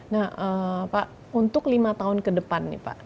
nah pak untuk lima tahun ke depan nih pak